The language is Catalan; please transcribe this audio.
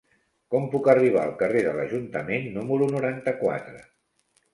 Com puc arribar al carrer de l'Ajuntament número noranta-quatre?